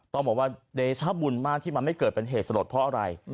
ต้องบอกว่าเดชบุญมากที่มันไม่เกิดเป็นเหตุสลดเพราะอะไร